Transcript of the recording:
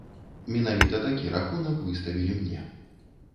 Менавіта такі рахунак выставілі мне.